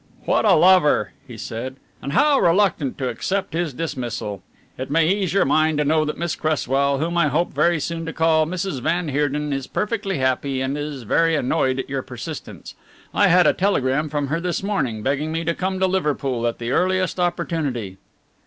"What a lover!" he said, "and how reluctant to accept his dismissal! It may ease your mind to know that Miss Cresswell, whom I hope very soon to call Mrs. van Heerden, is perfectly happy, and is very annoyed at your persistence. I had a telegram from her this morning, begging me to come to Liverpool at the earliest opportunity."